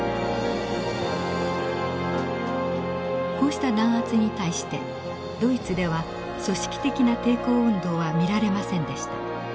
こうした弾圧に対してドイツでは組織的な抵抗運動は見られませんでした。